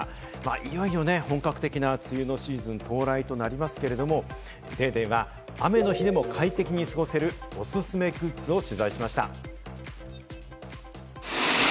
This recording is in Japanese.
いよいよ本格的な梅雨のシーズン到来となりますけれども、『ＤａｙＤａｙ．』は雨の日でも快適に過ごせるおすすめグッズを取材しました。